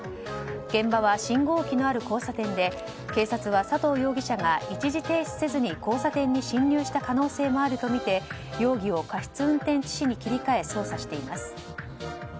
現場は信号機のある交差点で警察は佐藤容疑者が一時停止せずに交差点に進入した可能性もあるとみて容疑を過失運転致死に切り替え捜査しています。